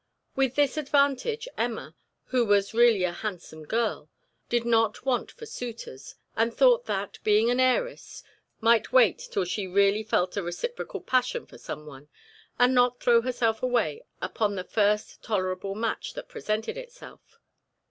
With this advantage, Emma, who was really a handsome girl, did not want for suitors, and thought that, being an heiress, she might wait till she really felt a reciprocal passion for some one, and not throw herself away upon the first tolerable match that presented itself.